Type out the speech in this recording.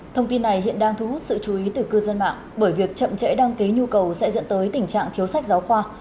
thông tin này hiện đang thu hút sự chú ý từ cư dân mạng bởi việc chậm trễ đăng ký nhu cầu sẽ dẫn tới tình trạng thiếu sách giáo khoa